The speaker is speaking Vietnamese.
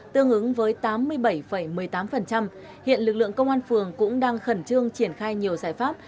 tương ứng với tám mươi bảy một mươi tám hiện lực lượng công an phường cũng đang khẩn trương triển khai nhiều giải pháp